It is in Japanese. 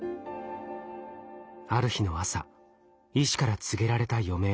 ある日の朝医師から告げられた余命。